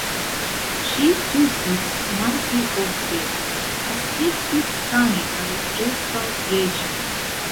Ŝi tusis malpli ofte, aspektis sane kaj preskaŭ freŝe.